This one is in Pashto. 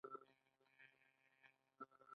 یتیم څوک سرپرستي کوي؟